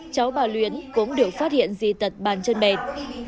cháu bà luyến cũng được phát hiện di tật bàn chân mệt